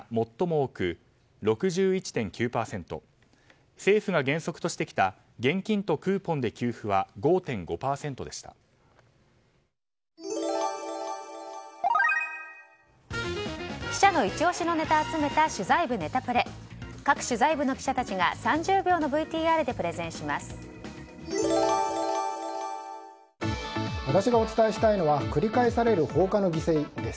各取材部の記者たちが３０秒のＶＴＲでプレゼンします。